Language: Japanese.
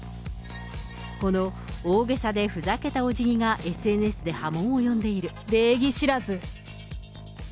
この大げさでふざけたおじぎがＳＮＳで波紋を呼んで礼儀知らず。